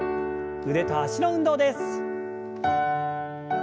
腕と脚の運動です。